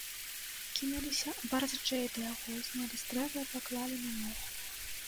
Кінуліся барзджэй да яго, знялі з дрэва і паклалі на мох.